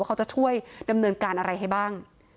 เขาจะช่วยดำเนินการอะไรให้บ้าง